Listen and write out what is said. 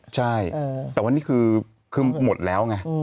ใช่แต่วันนี้คือหมดแล้วไง